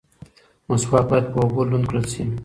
مسواک باید په اوبو لوند کړل شي.